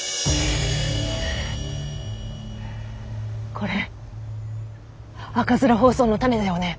これ赤面疱瘡のたねだよね？